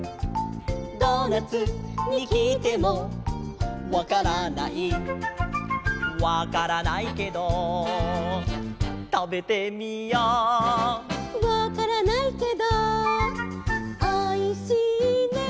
「ドーナツにきいてもわからない」「わからないけどたべてみよう」「わからないけどおいしいね」